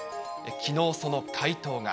きのう、その回答が。